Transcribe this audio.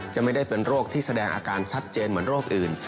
จะไม่ได้เป็นโรคที่แสดงอาการชัดเจนเหมือนโรคอื่น